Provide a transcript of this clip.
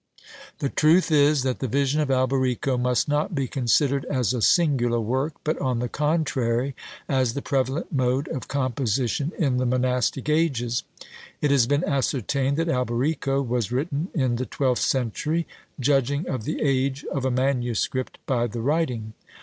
The truth is, that the "Vision of Alberico" must not be considered as a singular work but, on the contrary, as the prevalent mode of composition in the monastic ages. It has been ascertained that Alberico was written in the twelfth century, judging of the age of a manuscript by the writing.